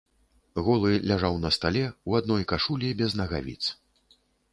Голы ляжаў на стале, у адной кашулі, без нагавіц.